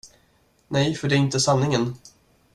Nej, för det är inte sanningen.